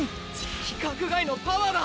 規格外のパワーだ！